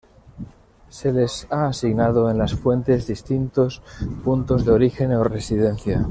Se les ha asignado en las fuentes distintos puntos de origen o residencia.